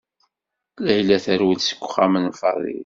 Layla terwel seg uxxam n Fadil.